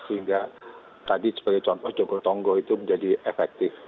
sehingga tadi sebagai contoh jogotongo itu menjadi efektif